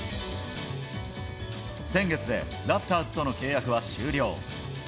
先月でラプターズとの契約は終了。